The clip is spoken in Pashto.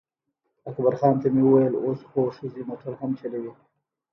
اکبرخان ته مې وویل اوس خو ښځې موټر هم چلوي.